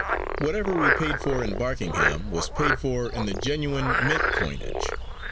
Whatever we paid for in Barkingham was paid for in the genuine Mint coinage.